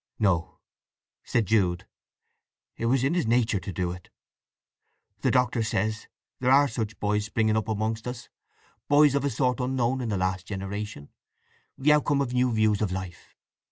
"No," said Jude. "It was in his nature to do it. The Doctor says there are such boys springing up amongst us—boys of a sort unknown in the last generation—the outcome of new views of life.